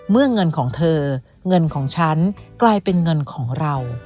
เงินของเธอเงินของฉันกลายเป็นเงินของเรา